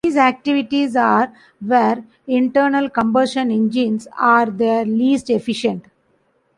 These activities are where internal combustion engines are their least efficient.